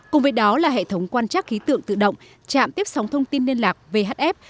cùng với đó là hệ thống quan trắc khí tượng tự động trạm tiếp sóng thông tin liên lạc vhf